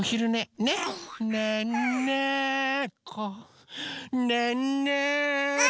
「ねんねこねんねこ」